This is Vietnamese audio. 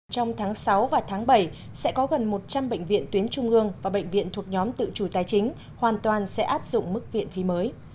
trong tháng sáu và tháng bảy sẽ có gần một trăm linh bệnh viện tuyến trung ương và bệnh viện thuộc nhóm tự chủ tài chính hoàn toàn sẽ áp dụng mức viện phí mới